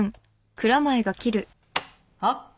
はっ？